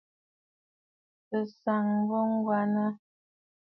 Bɨ sàŋ mə aŋwàʼànə̀.